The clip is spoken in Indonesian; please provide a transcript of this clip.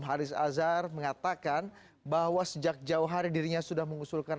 haris azhar mengatakan bahwa sejak jauh hari dirinya sudah mengusulkan